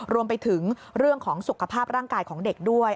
รวมไปถึงเรื่องของสุขภาพร่างกายของเด็กด้วย